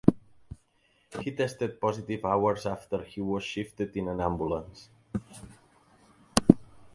He tested positive hours after he was shifted in an ambulance.